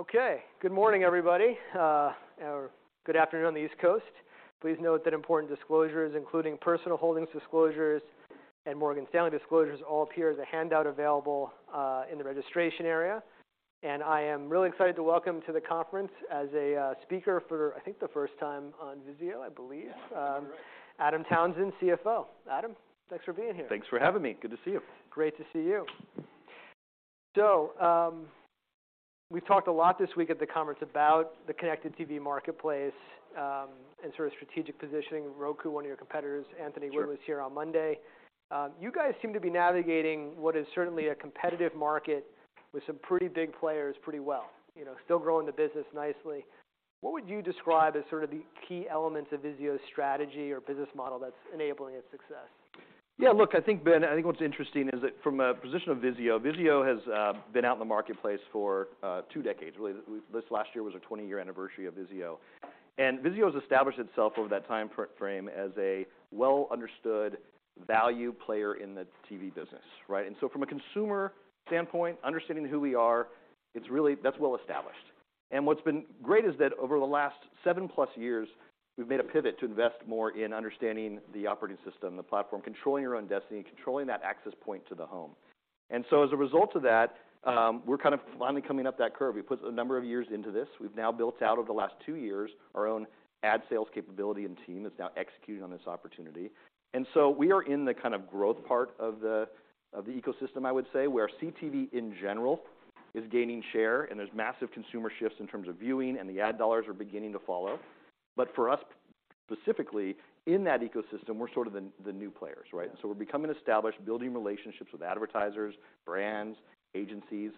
Okay. Good morning, everybody. or good afternoon on the East Coast. Please note that important disclosures, including personal holdings disclosures and Morgan Stanley disclosures, all appear as a handout available in the registration area. I am really excited to welcome to the conference as a speaker for, I think, the first time on VIZIO, I believe. Yeah. You're right. Adam Townsend, CFO. Adam, thanks for being here. Thanks for having me. Good to see you. Great to see you. We've talked a lot this week at the conference about the connected TV marketplace, and sort of strategic positioning. Roku, one of your competitors- Sure Anthony Wood was here on Monday. You guys seem to be navigating what is certainly a competitive market with some pretty big players pretty well. You know, still growing the business nicely. What would you describe as sort of the key elements of VIZIO's strategy or business model that's enabling its success? Look, I think, Ben, I think what's interesting is that from a position of VIZIO has been out in the marketplace for two decades. Really, this last year was our 20-year anniversary of VIZIO. VIZIO has established itself over that timeframe as a well-understood value player in the TV business, right? From a consumer standpoint, understanding who we are, that's well-established. What's been great is that over the last 7+ years, we've made a pivot to invest more in understanding the operating system, the platform, controlling your own destiny, controlling that access point to the home. As a result of that, we're kind of finally coming up that curve. We've put a number of years into this. We've now built out over the last two years our own ad sales capability and team that's now executing on this opportunity. We are in the kind of growth part of the, of the ecosystem, I would say, where CTV in general is gaining share, and there's massive consumer shifts in terms of viewing, and the ad dollars are beginning to follow. For us, specifically in that ecosystem, we're sort of the new players, right? Yeah. We're becoming established, building relationships with advertisers, brands, agencies.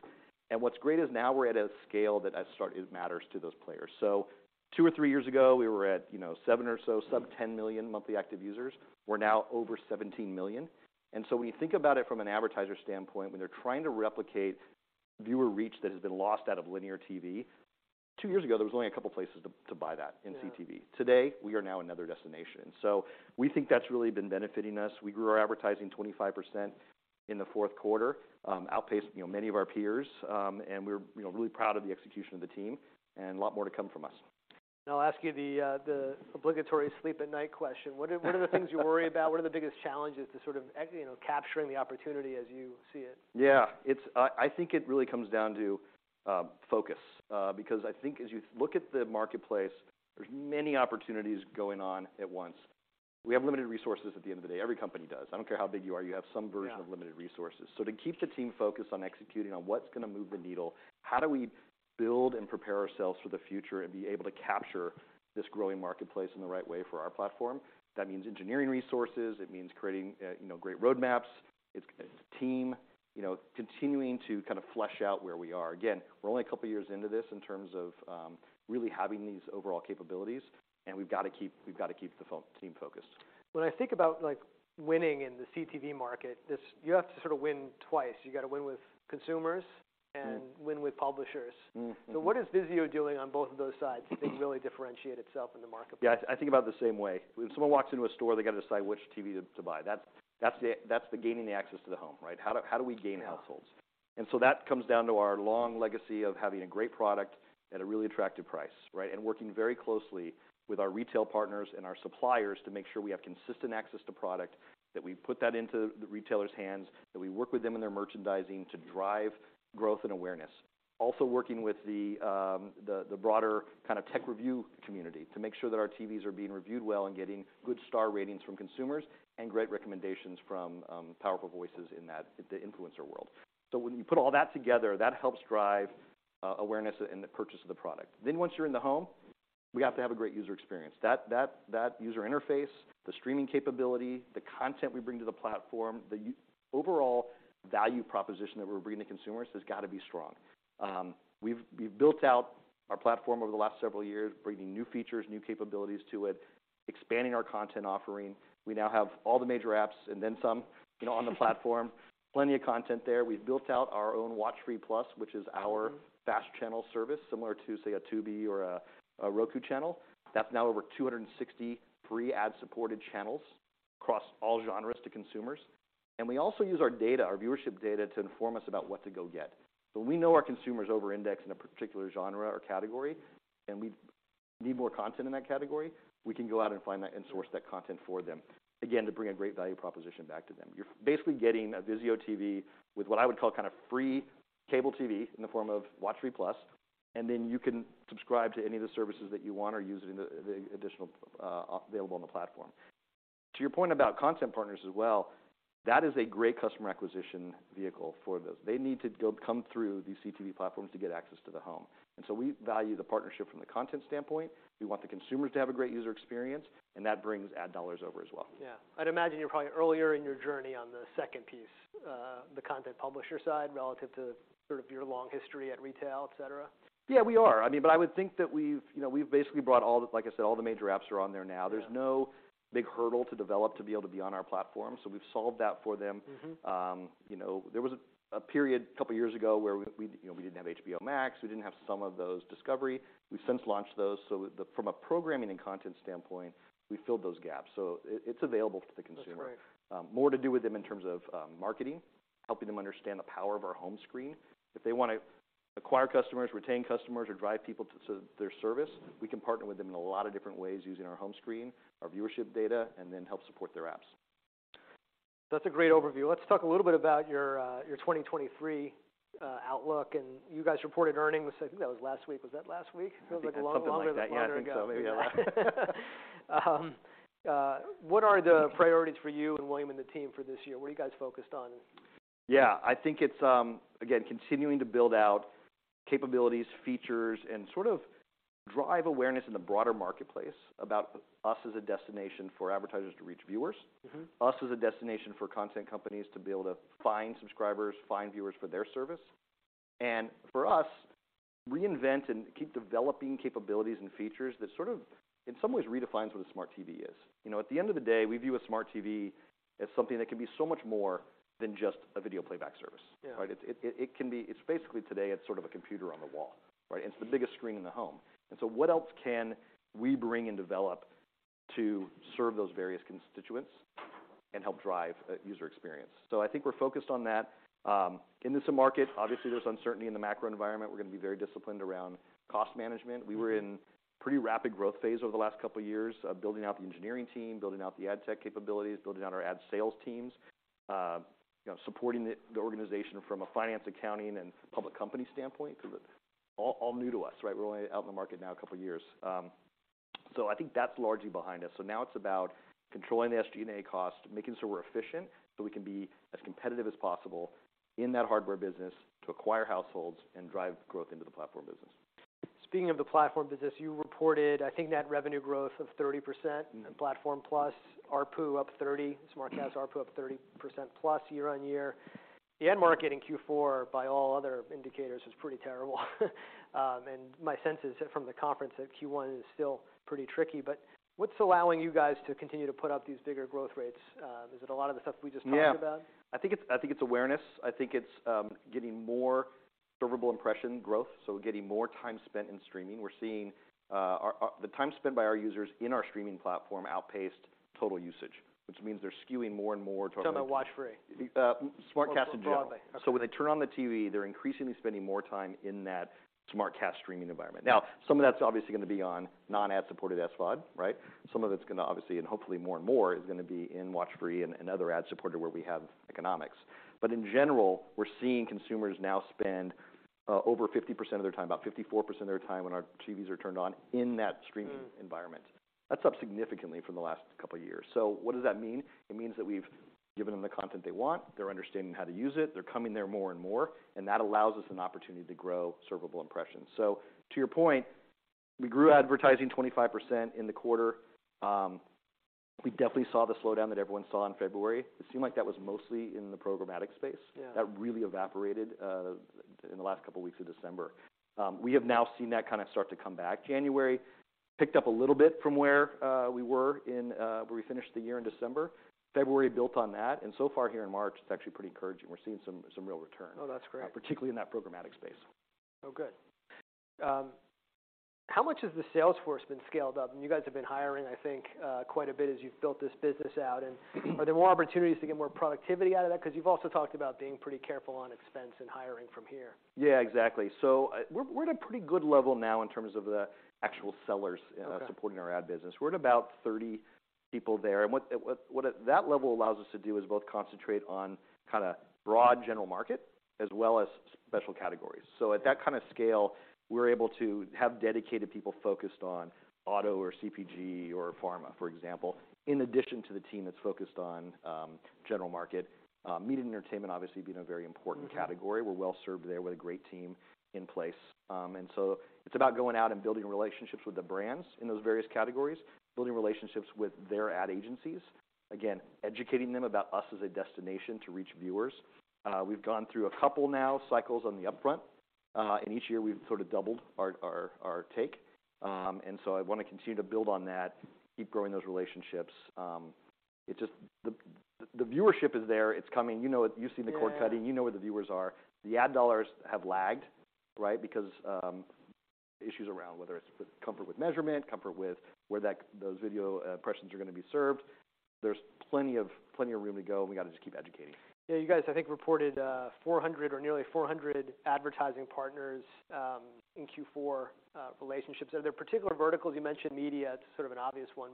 What's great is now we're at a scale that has started matters to those players. Two or three years ago, we were at, you know, seven or so, sub 10 million monthly active users. We're now over 17 million. When you think about it from an advertiser standpoint, when they're trying to replicate viewer reach that has been lost out of linear TV, two years ago, there was only a couple places to buy that in CTV. Yeah. Today, we are now another destination. We think that's really been benefiting us. We grew our advertising 25% in the fourth quarter. Outpaced, you know, many of our peers. We're, you know, really proud of the execution of the team and a lot more to come from us. I'll ask you the obligatory sleep-at-night question. What are the things you worry about? What are the biggest challenges to sort of you know, capturing the opportunity as you see it? Yeah. I think it really comes down to focus. I think as you look at the marketplace, there's many opportunities going on at once. We have limited resources at the end of the day. Every company does. I don't care how big you are, you have some version. Yeah. Of limited resources. To keep the team focused on executing on what's gonna move the needle, how do we build and prepare ourselves for the future and be able to capture this growing marketplace in the right way for our platform, that means engineering resources. It means creating, you know, great roadmaps. It's team, you know, continuing to kind of flesh out where we are. Again, we're only a couple of years into this in terms of really having these overall capabilities, and we've gotta keep the team focused. When I think about, like, winning in the CTV market, you have to sort of win twice. You gotta win with consumers and. Mm-hmm Win with publishers. Mm-hmm. Mm-hmm. What is VIZIO doing on both of those sides to really differentiate itself in the marketplace? Yeah. I think about it the same way. When someone walks into a store, they gotta decide which TV to buy. That's the gaining the access to the home, right? How do we gain households? Yeah. That comes down to our long legacy of having a great product at a really attractive price, right? Working very closely with our retail partners and our suppliers to make sure we have consistent access to product, that we put that into the retailers' hands, that we work with them in their merchandising to drive growth and awareness. Also working with the broader kind of tech review community to make sure that our TVs are being reviewed well and getting good star ratings from consumers and great recommendations from powerful voices in that, the influencer world. When you put all that together, that helps drive awareness and the purchase of the product. Once you're in the home, we have to have a great user experience. That user interface, the streaming capability, the content we bring to the platform, the overall value proposition that we're bringing to consumers has gotta be strong. We've built out our platform over the last several years, bringing new features, new capabilities to it, expanding our content offering. We now have all the major apps and then some, you know, on the platform. Plenty of content there. We've built out our own WatchFree+, which is our. Mm-hmm FAST channel service, similar to, say, a Tubi or a Roku Channel. That's now over 260 free ad-supported channels across all genres to consumers. We also use our data, our viewership data, to inform us about what to go get. When we know our consumers over-index in a particular genre or category and we need more content in that category, we can go out and find that and source that content for them, again, to bring a great value proposition back to them. You're basically getting a VIZIO TV with what I would call kind of free cable TV in the form of WatchFree+, and then you can subscribe to any of the services that you want or use in the additional, available on the platform. To your point about content partners as well, that is a great customer acquisition vehicle for those. They need to go come through these CTV platforms to get access to the home. We value the partnership from the content standpoint. We want the consumers to have a great user experience, and that brings ad dollars over as well. Yeah. I'd imagine you're probably earlier in your journey on the second piece, the content publisher side relative to sort of your long history at retail, et cetera. Yeah, we are. I mean, I would think that we've, you know, we've basically brought, like I said, all the major apps are on there now. Yeah. There's no big hurdle to develop to be able to be on our platform, so we've solved that for them. Mm-hmm. You know, there was a period a couple years ago where we, you know, we didn't have HBO Max, we didn't have some of those Discovery. We've since launched those, from a programming and content standpoint, we filled those gaps. It's available to the consumer. That's right. More to do with them in terms of marketing, helping them understand the power of our Home Screen. If they wanna acquire customers, retain customers, or drive people to their service. We can partner with them in a lot of different ways using our Home Screen, our viewership data, and then help support their apps. That's a great overview. Let's talk a little bit about your 2023 outlook. You guys reported earnings, I think that was last week. Was that last week? I think, yeah, something like that. Yeah, I think so. Feels like a long, longer than a year ago, maybe. Yeah. What are the priorities for you and William and the team for this year? What are you guys focused on? Yeah. I think it's again, continuing to build out capabilities, features, and sort of drive awareness in the broader marketplace about us as a destination for advertisers to reach viewers. Mm-hmm. Us as a destination for content companies to be able to find subscribers, find viewers for their service. For us, reinvent and keep developing capabilities and features that sort of, in some ways, redefines what a smart TV is. You know, at the end of the day, we view a smart TV as something that can be so much more than just a video playback service. Yeah. Right? It's basically today, it's sort of a computer on the wall, right? It's the biggest screen in the home. What else can we bring and develop to serve those various constituents and help drive user experience? I think we're focused on that. In this market, obviously, there's uncertainty in the macro environment. We're gonna be very disciplined around cost management. Mm-hmm. We were in pretty rapid growth phase over the last couple years of building out the engineering team, building out the ad tech capabilities, building out our ad sales teams. You know, supporting the organization from a finance, accounting, and public company standpoint 'cause all new to us, right? We're only out in the market now a couple years. I think that's largely behind us. Now it's about controlling the SG&A cost, making sure we're efficient, so we can be as competitive as possible in that hardware business to acquire households and drive growth into the platform business. Speaking of the platform business, you reported, I think net revenue growth of 30%. Mm-hmm. In platform, plus ARPU up 30. SmartCast ARPU up 30%+ year-on-year. The ad market in Q4 by all other indicators was pretty terrible. My sense is from the conference that Q1 is still pretty tricky. What's allowing you guys to continue to put up these bigger growth rates? Is it a lot of the stuff we just talked about? Yeah. I think it's, I think it's awareness. I think it's getting more servable impression growth, so getting more time spent in streaming. We're seeing The time spent by our users in our streaming platform outpaced total usage, which means they're skewing more and more. You're talking about WatchFree+? SmartCast in general. More broadly. Okay. When they turn on the TV, they're increasingly spending more time in that SmartCast streaming environment. Some of that's obviously gonna be on non-ad supported SVOD, right? Some of it's gonna obviously, and hopefully more and more, is gonna be in WatchFree+ and other ad-supported where we have economics. In general, we're seeing consumers now spend over 50% of their time, about 54% of their time when our TVs are turned on in that streaming environment. Mm. That's up significantly from the last couple years. What does that mean? It means that we've given them the content they want. They're understanding how to use it. They're coming there more and more, and that allows us an opportunity to grow servable impressions. To your point, we grew advertising 25% in the quarter. We definitely saw the slowdown that everyone saw in February. It seemed like that was mostly in the programmatic space. Yeah. That really evaporated in the last couple weeks of December. We have now seen that kind of start to come back. January picked up a little bit from where we were in where we finished the year in December. February built on that, and so far here in March, it's actually pretty encouraging. We're seeing some real return- Oh, that's great. Particularly in that programmatic space. Oh, good. How much has the sales force been scaled up? You guys have been hiring, I think, quite a bit as you've built this business out. Are there more opportunities to get more productivity out of that? Because you've also talked about being pretty careful on expense and hiring from here. Yeah, exactly. We're at a pretty good level now in terms of the actual sellers. Okay. Supporting our ad business. We're at about 30 people there. What that level allows us to do is both concentrate on kinda broad general market as well as special categories. At that kind of scale, we're able to have dedicated people focused on auto or CPG or pharma, for example, in addition to the team that's focused on general market. Media and entertainment obviously being a very important category. We're well-served there with a great team in place. It's about going out and building relationships with the brands in those various categories, building relationships with their ad agencies. Again, educating them about us as a destination to reach viewers. We've gone through a couple now cycles on the upfront. Each year we've sort of doubled our take. I wanna continue to build on that, keep growing those relationships. The viewership is there. It's coming. You know it. You've seen the cord cutting. Yeah, yeah. You know where the viewers are. The ad dollars have lagged, right? Issues around whether it's comfort with measurement, comfort with where those video impressions are gonna be served. There's plenty of room to go, and we gotta just keep educating. Yeah. You guys, I think, reported 400 or nearly 400 advertising partners in Q4 relationships. Are there particular verticals? You mentioned media. It's sort of an obvious one.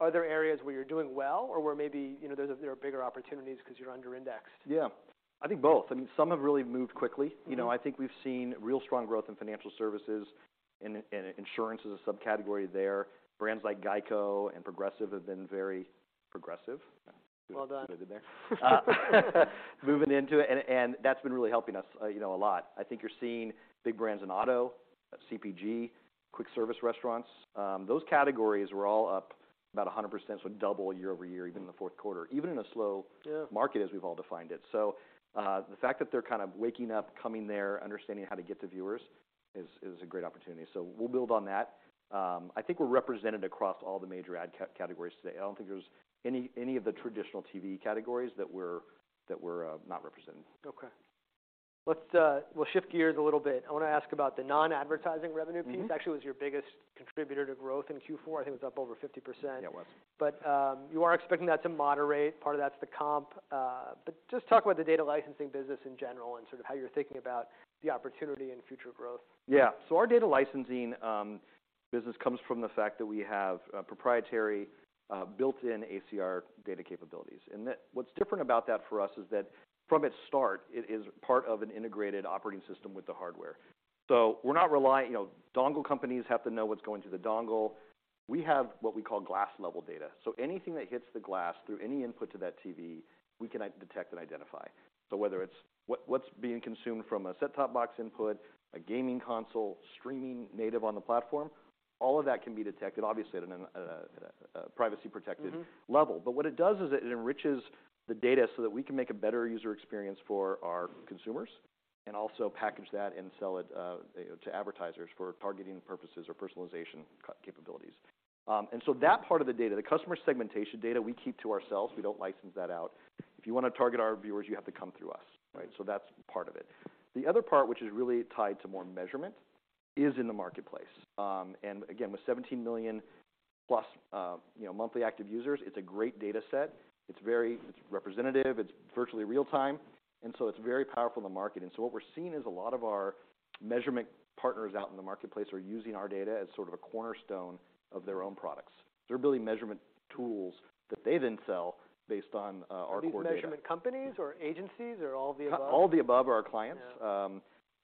Are there areas where you're doing well or where maybe, you know, there are bigger opportunities 'cause you're under-indexed? Yeah. I think both. I mean, some have really moved quickly. Mm-hmm. You know, I think we've seen real strong growth in financial services and insurance as a subcategory there. Brands like GEICO and Progressive have been very progressive. Well done. See what I did there? Moving into it, and that's been really helping us, you know, a lot. I think you're seeing big brands in auto, CPG, quick service restaurants. Those categories were all up about 100%, so double year-over-year even in the fourth quarter. Yeah. Market as we've all defined it. The fact that they're kind of waking up, coming there, understanding how to get to viewers is a great opportunity. We'll build on that. I think we're represented across all the major ad categories today. I don't think there's any of the traditional TV categories that we're not represented in. Okay. Let's, we'll shift gears a little bit. I wanna ask about the non-advertising revenue piece. Mm-hmm. Actually, it was your biggest contributor to growth in Q4. I think it was up over 50%. Yeah, it was. You are expecting that to moderate. Part of that's the comp. Just talk about the data licensing business in general and sort of how you're thinking about the opportunity and future growth. Yeah. Our data licensing business comes from the fact that we have proprietary built-in ACR data capabilities. What's different about that for us is that from its start, it is part of an integrated operating system with the hardware. We're not You know, dongle companies have to know what's going through the dongle. We have what we call glass-level data. Anything that hits the glass through any input to that TV, we can detect and identify. Whether it's what's being consumed from a set-top box input, a gaming console, streaming native on the platform, all of that can be detected, obviously at an a privacy. Mm-hmm. Level. What it does is it enriches the data so that we can make a better user experience for our consumers, and also package that and sell it to advertisers for targeting purposes or personalization capabilities. That part of the data, the customer segmentation data, we keep to ourselves. We don't license that out. If you wanna target our viewers, you have to come through us, right? That's part of it. The other part, which is really tied to more measurement, is in the marketplace. Again, with 17 million plus, you know, monthly active users, it's a great data set. It's very, it's representative, it's virtually real time, it's very powerful in the market. What we're seeing is a lot of our measurement partners out in the marketplace are using our data as sort of a cornerstone of their own products. They're building measurement tools that they then sell based on our core data. Are these measurement companies or agencies or all of the above? All the above are our clients.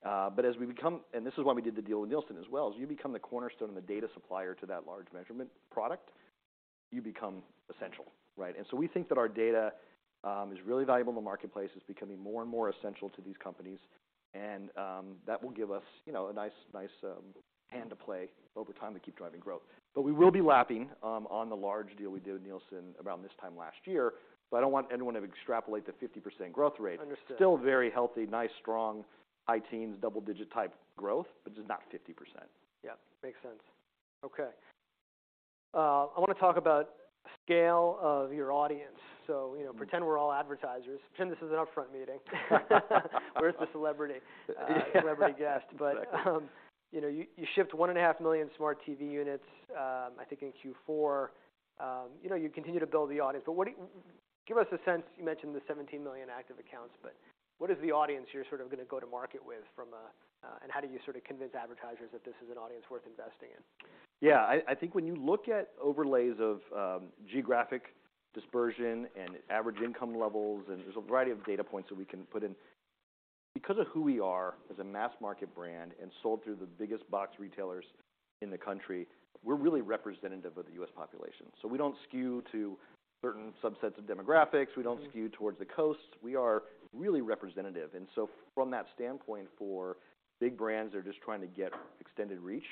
Yeah. As we become. This is why we did the deal with Nielsen as well. As you become the cornerstone and the data supplier to that large measurement product, you become essential, right? We think that our data is really valuable in the marketplace. It's becoming more and more essential to these companies. That will give us, you know, a nice hand to play over time to keep driving growth. We will be lapping on the large deal we did with Nielsen around this time last year. I don't want anyone to extrapolate the 50% growth rate. Understood. Still very healthy, nice, strong, high teens, double-digit type growth, but just not 50%. Yeah. Makes sense. Okay. I wanna talk about scale of your audience. you know. Mm-hmm. Pretend we're all advertisers. Pretend this is an upfront meeting. Where's the celebrity? Yeah. Celebrity guest. Exactly. You know, you shipped 1.5 million Smart TV units, I think in Q4. you know, you continue to build the audience. Give us a sense, you mentioned the 17 million active accounts, but what is the audience you're sort of gonna go to market with from a, and how do you sort of convince advertisers that this is an audience worth investing in? Yeah. I think when you look at overlays of, geographic dispersion and average income levels, there's a variety of data points that we can put in. Because of who we are as a mass market brand and sold through the biggest box retailers in the country, we're really representative of the U.S. population. We don't skew to certain subsets of demographics. Mm-hmm. We don't skew towards the coasts. We are really representative. From that standpoint, for big brands that are just trying to get extended reach,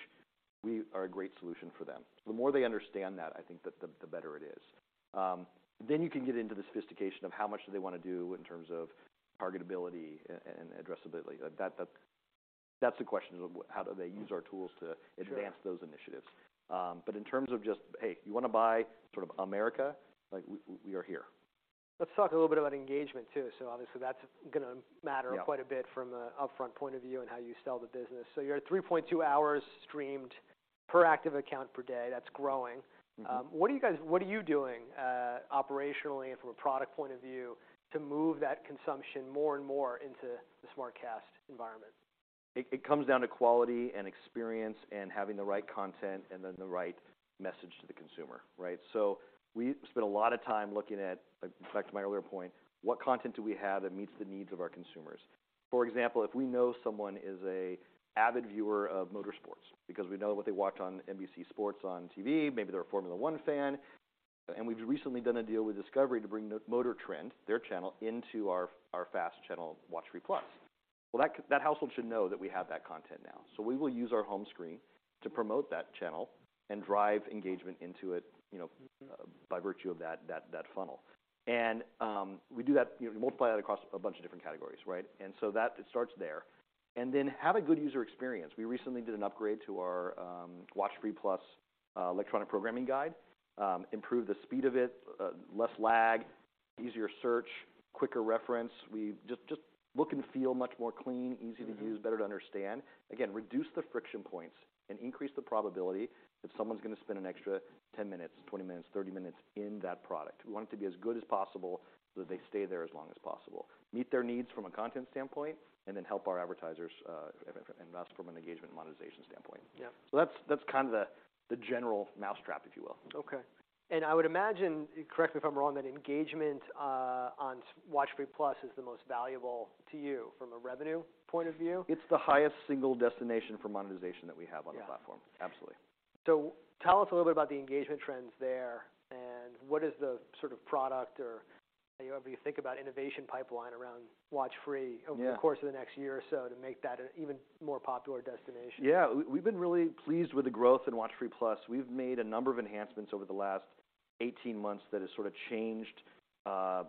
we are a great solution for them. The more they understand that, I think that the better it is. Then you can get into the sophistication of how much do they wanna do in terms of targetability and addressability. That's the question is how do they use our tools to- Sure. Advance those initiatives. but in terms of just, hey, you wanna buy sort of America? Like, we are here. Let's talk a little bit about engagement too. Obviously, that's gonna matter. Yeah. Quite a bit from a upfront point of view and how you sell the business. You're at 3.2 hours streamed per active account per day. That's growing. Mm-hmm. What are you doing, operationally and from a product point of view to move that consumption more and more into the SmartCast environment? It comes down to quality and experience and having the right content and then the right message to the consumer, right? We spend a lot of time looking at, like, back to my earlier point, what content do we have that meets the needs of our consumers? For example, if we know someone is a avid viewer of motorsports because we know what they watch on NBC Sports on TV, maybe they're a Formula One fan, and we've recently done a deal with Discovery to bring MotorTrend, their channel, into our FAST channel, WatchFree+. Well, that household should know that we have that content now. We will use our home screen to promote that channel and drive engagement into it, you know- Mm-hmm. By virtue of that funnel. We do that, you know, we multiply that across a bunch of different categories, right? That, it starts there. Have a good user experience. We recently did an upgrade to our WatchFree+, electronic programming guide. Improved the speed of it, less lag, easier search, quicker reference. We just look and feel much more clean, easy to use. Mm-hmm. Better to understand. Reduce the friction points and increase the probability that someone's gonna spend an extra 10 minutes, 20 minutes, 30 minutes in that product. We want it to be as good as possible so that they stay there as long as possible. Meet their needs from a content standpoint, and then help our advertisers and us from an engagement monetization standpoint. Yeah. That's kind of the general mousetrap, if you will. Okay. I would imagine, correct me if I'm wrong, that engagement, on WatchFree+ is the most valuable to you from a revenue point of view? It's the highest single destination for monetization that we have on the platform. Yeah. Absolutely. Tell us a little bit about the engagement trends there, and what is the sort of product or, you know, if you think about innovation pipeline around WatchFree+? Yeah. Over the course of the next year or so to make that an even more popular destination? Yeah. We've been really pleased with the growth in WatchFree+. We've made a number of enhancements over the last 18 months that has sort of changed the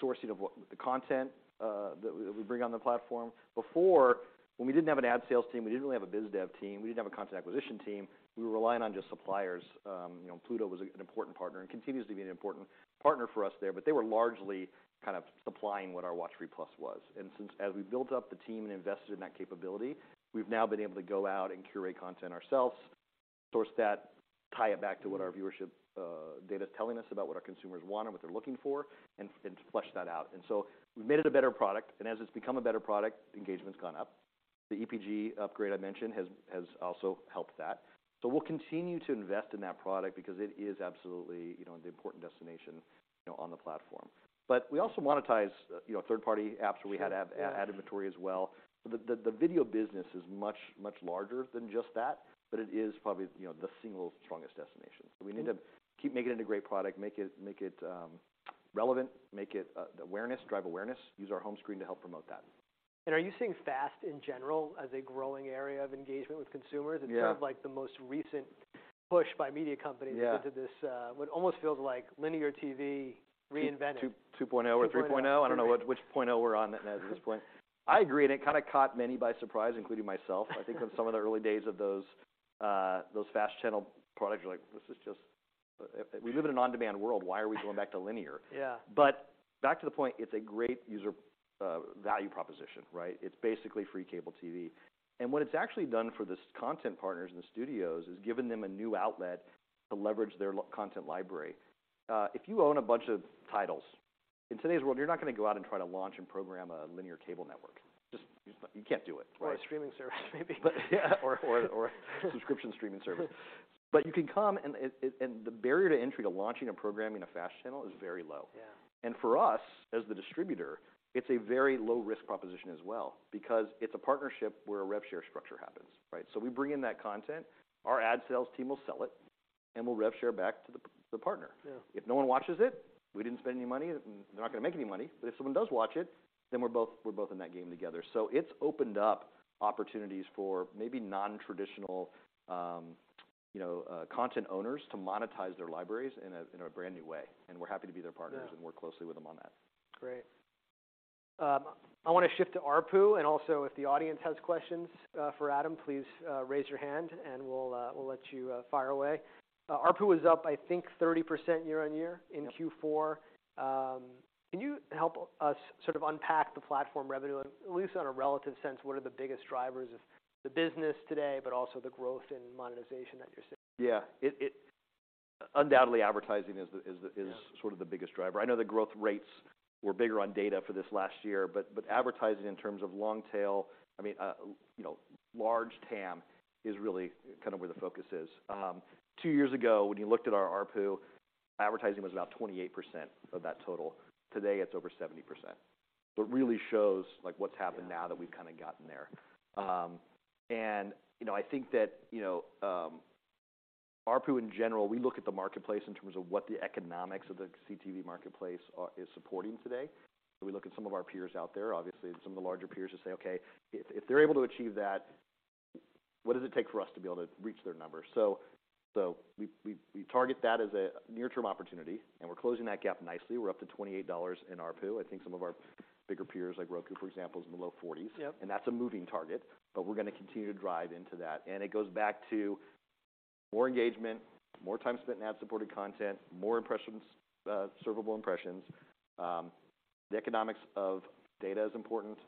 sourcing of what, the content, that we bring on the platform. Before, when we didn't have an ad sales team, we didn't really have a biz dev team, we didn't have a content acquisition team, we were relying on just suppliers. You know, Pluto was an important partner and continues to be an important partner for us there, but they were largely kind of supplying what our WatchFree+ was. Since as we've built up the team and invested in that capability, we've now been able to go out and curate content ourselves, source that, tie it back to what our viewership data's telling us about what our consumers want and what they're looking for, and flush that out. We've made it a better product. As it's become a better product, engagement's gone up. The EPG upgrade I mentioned has also helped that. We'll continue to invest in that product because it is absolutely, you know, an important destination, you know, on the platform. We also monetize, you know, third-party apps where we have ad- Sure. Yeah. Ad inventory as well. The video business is much, much larger than just that, it is probably, you know, the single strongest destination. We need to keep making it a great product, make it relevant, make it awareness, drive awareness. Use our home screen to help promote that. Are you seeing FAST in general as a growing area of engagement with consumers? Yeah. Sort of like the most recent push by media companies. Yeah. Into this, what almost feels like linear TV reinvented. 2.0 or 3.0. 2.0. I don't know. I don't know which point O we're on at this point. I agree, it kinda caught many by surprise, including myself. I think in some of the early days of those FAST channel products, you're like, "This is just. We live in an on-demand world. Why are we going back to linear? Yeah. Back to the point, it's a great user value proposition, right? It's basically free cable TV. What it's actually done for this content partners and the studios is given them a new outlet to leverage their content library. If you own a bunch of titles, in today's world, you're not gonna go out and try to launch and program a linear cable network. Just, you can't do it, right? A streaming service maybe. Yeah. Or a subscription streaming service. You can come and the barrier to entry to launching and programming a FAST channel is very low. Yeah. For us, as the distributor, it's a very low-risk proposition as well because it's a partnership where a rev share structure happens, right? We bring in that content. Our ad sales team will sell it, and we'll rev share back to the partner. Yeah. If no one watches it, we didn't spend any money. They're not gonna make any money. If someone does watch it, we're both in that game together. It's opened up opportunities for maybe non-traditional, you know, content owners to monetize their libraries in a brand new way. We're happy to be their partners. Yeah. And work closely with them on that. Great. I wanna shift to ARPU. Also, if the audience has questions, for Adam, please, raise your hand and we'll let you fire away. ARPU was up, I think, 30% year-on-year in Q4. Yeah. Can you help us sort of unpack the platform revenue, at least on a relative sense, what are the biggest drivers of the business today, but also the growth and monetization that you're seeing? Yeah. Undoubtedly, advertising is the. Yeah. Sort of the biggest driver. I know the growth rates were bigger on data for this last year, but advertising in terms of long tail, I mean, you know, large TAM is really kind of where the focus is. Two years ago, when you looked at our ARPU, advertising was about 28% of that total. Today, it's over 70%, it really shows like what's happened now that we've kinda gotten there. You know, I think that, you know, ARPU in general, we look at the marketplace in terms of what the economics of the CTV marketplace are, is supporting today. We look at some of our peers out there, obviously some of the larger peers to say, "Okay, if they're able to achieve that, what does it take for us to be able to reach their numbers?" We target that as a near-term opportunity, and we're closing that gap nicely. We're up to $28 in ARPU. I think some of our bigger peers, like Roku, for example, is in the low 40s. Yeah. That's a moving target, but we're gonna continue to drive into that. It goes back to more engagement, more time spent in ad-supported content, more impressions, servable impressions. The economics of data is important.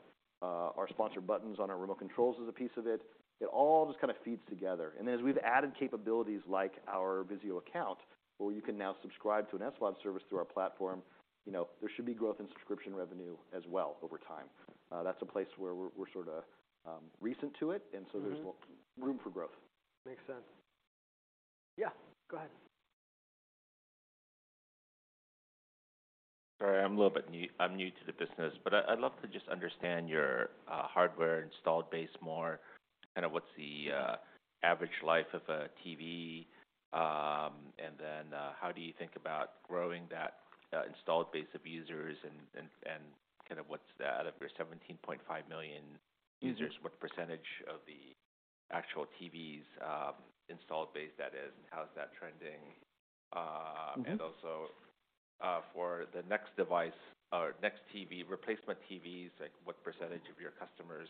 Our sponsor buttons on our remote controls is a piece of it. It all just kinda feeds together. As we've added capabilities like our VIZIO Account, where you can now subscribe to an SVOD service through our platform, you know, there should be growth in subscription revenue as well over time. That's a place where we're sorta recent to it. Mm-hmm. Room for growth. Makes sense. Yeah, go ahead. Sorry, I'm new to the business, but I'd love to just understand your hardware installed base more. Kinda what's the average life of a TV, and then how do you think about growing that installed base of users and kind of what's the out of your 17.5 million users. Mm-hmm. What percentage of the actual TVs installed base that is, and how's that trending? Mm-hmm. And also, for the next device or next TV, replacement TVs, like what percentage of your customers,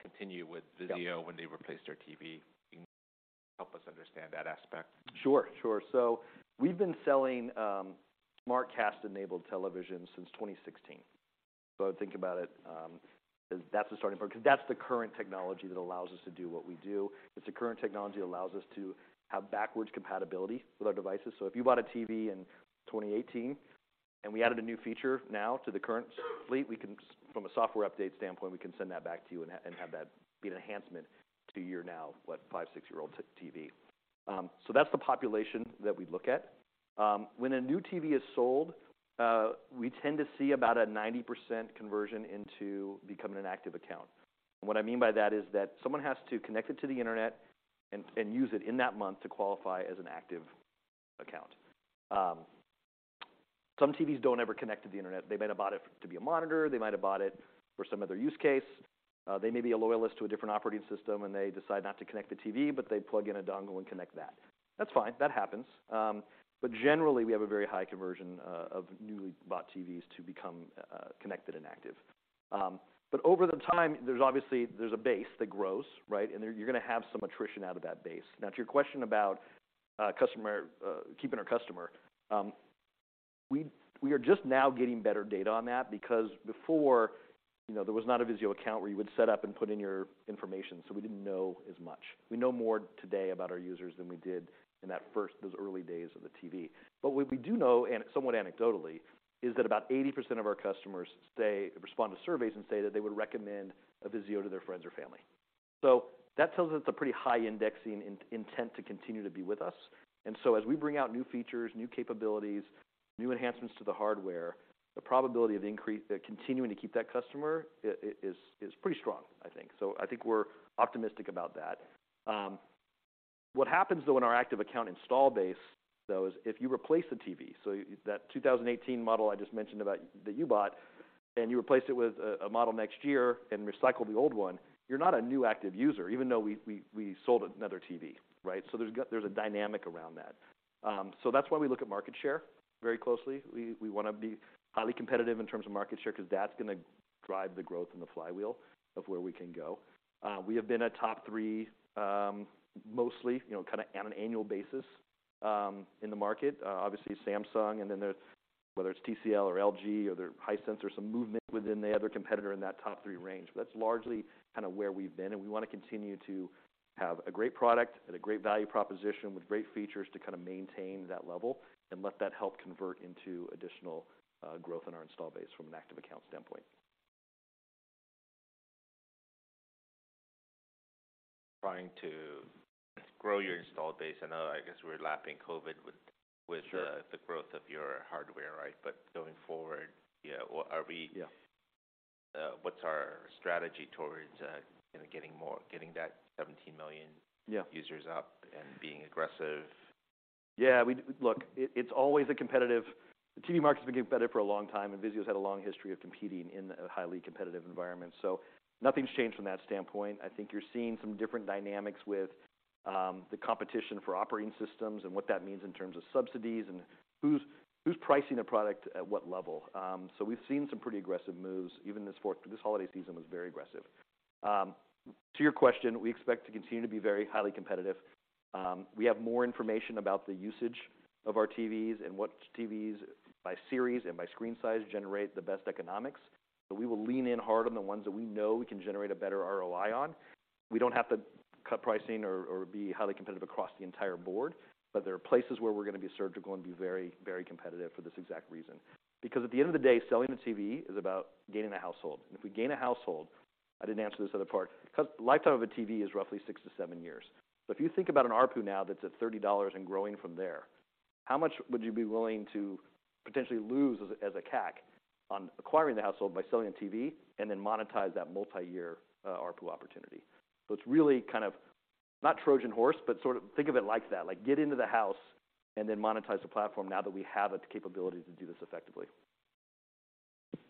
continue with VIZIO- Yeah. When they replace their TV? Help us understand that aspect. Sure, sure. We've been selling SmartCast-enabled televisions since 2016. I would think about it as that's the starting point, 'cause that's the current technology that allows us to do what we do. It's the current technology that allows us to have backwards compatibility with our devices. If you bought a TV in 2018 and we added a new feature now to the current fleet, we can, from a software update standpoint, we can send that back to you and have, and have that be an enhancement to your now, what, 5, 6-year-old TV. That's the population that we look at. When a new TV is sold, we tend to see about a 90% conversion into becoming an active account. What I mean by that is that someone has to connect it to the internet and use it in that month to qualify as an active account. Some TVs don't ever connect to the internet. They might have bought it to be a monitor. They might have bought it for some other use case. They may be a loyalist to a different operating system, and they decide not to connect the TV, but they plug in a dongle and connect that. That's fine. That happens. Generally, we have a very high conversion of newly bought TVs to become connected and active. Over the time, there's obviously, there's a base that grows, right? You're gonna have some attrition out of that base. Now to your question about customer, keeping our customer. We are just now getting better data on that because before, you know, there was not a VIZIO Account where you would set up and put in your information, so we didn't know as much. We know more today about our users than we did in those early days of the TV. What we do know, and somewhat anecdotally, is that about 80% of our customers respond to surveys and say that they would recommend a VIZIO to their friends or family. That tells us a pretty high indexing in-intent to continue to be with us. As we bring out new features, new capabilities, new enhancements to the hardware, the probability of continuing to keep that customer is pretty strong, I think. I think we're optimistic about that. What happens though in our active account install base, though, is if you replace the TV, that 2018 model I just mentioned about that you bought, and you replace it with a model next year and recycle the old one, you're not a new active user, even though we sold another TV, right? There's a dynamic around that. That's why we look at market share very closely. We wanna be highly competitive in terms of market share 'cause that's gonna drive the growth in the flywheel of where we can go. We have been a top three, mostly, you know, kinda on an annual basis, in the market. Obviously Samsung, then there's, whether it's TCL or LG or Hisense, there's some movement within the other competitor in that top three range. That's largely kinda where we've been, we wanna continue to have a great product at a great value proposition with great features to kinda maintain that level and let that help convert into additional growth in our install base from an active account standpoint. Trying to grow your install base, I know I guess we're lapping COVID. Sure. With the growth of your hardware, right? going forward, yeah, are we- Yeah. What's our strategy towards, you know, getting that $17 million- Yeah. Users up and being aggressive? Yeah. Look, it's always a competitive. The TV market's been competitive for a long time, and VIZIO's had a long history of competing in a highly competitive environment. Nothing's changed from that standpoint. I think you're seeing some different dynamics with the competition for operating systems and what that means in terms of subsidies and who's pricing a product at what level. We've seen some pretty aggressive moves, even this holiday season was very aggressive. To your question, we expect to continue to be very highly competitive. We have more information about the usage of our TVs and what TVs by series and by screen size generate the best economics. We will lean in hard on the ones that we know we can generate a better ROI on. We don't have to cut pricing or be highly competitive across the entire board, but there are places where we're gonna be surgical and be very competitive for this exact reason. At the end of the day, selling the TV is about gaining a household. If we gain a household, I didn't answer this other part, 'cause the lifetime of a TV is roughly six to seven years. If you think about an ARPU now that's at $30 and growing from there, how much would you be willing to potentially lose as a CAC on acquiring the household by selling a TV and then monetize that multi-year ARPU opportunity? It's really kind of, not Trojan horse, but sort of think of it like that. Like, get into the house and then monetize the platform now that we have the capability to do this effectively. Do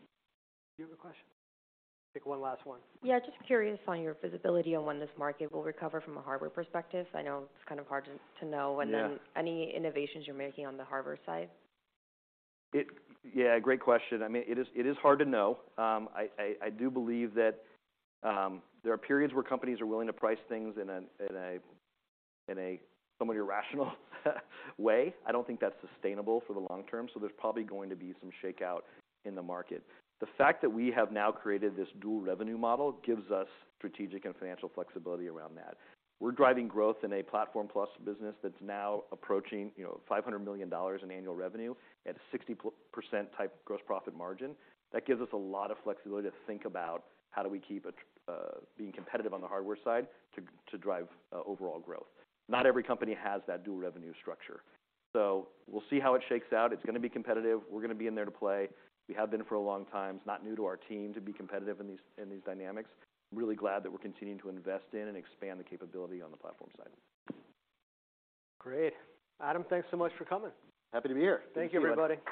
you have a question? Take one last one. Yeah, just curious on your visibility on when this market will recover from a hardware perspective? I know it's kind of hard to know. Yeah. Any innovations you're making on the hardware side. Yeah, great question. I mean, it is hard to know. I do believe that there are periods where companies are willing to price things in a somewhat irrational way. I don't think that's sustainable for the long term, so there's probably going to be some shakeout in the market. The fact that we have now created this dual revenue model gives us strategic and financial flexibility around that. We're driving growth in a platform plus business that's now approaching, you know, $500 million in annual revenue at a 60% type gross profit margin. That gives us a lot of flexibility to think about how do we keep being competitive on the hardware side to drive overall growth. Not every company has that dual revenue structure. We'll see how it shakes out. It's gonna be competitive. We're gonna be in there to play. We have been for a long time. It's not new to our team to be competitive in these, in these dynamics. Really glad that we're continuing to invest in and expand the capability on the platform side. Great. Adam, thanks so much for coming. Happy to be here. Thank you. Thank you, everybody.